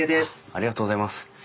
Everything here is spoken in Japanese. ありがとうございます。